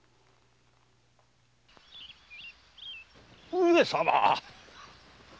上様！